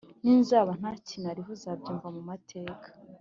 Ni nzaba ntakinariho uzabyumva mu mateka